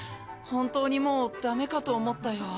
本当にもうだめかと思ったよ。